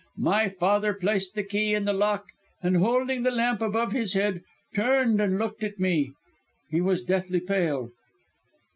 My father placed the key in the lock, and holding the lamp above his head, turned and looked at me. He was deathly pale.